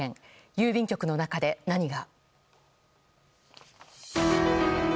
郵便局の中で、何が。